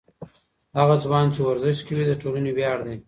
هغه ځوان چې ورزش کوي، د ټولنې ویاړ دی.